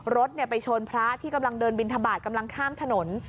รถไปชนพระที่กำลังเดินบินทบาทกำลังข้ามถนน